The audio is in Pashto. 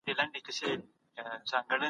که ته په راتلونکي پوهیدای نو فیصله به دې کوله.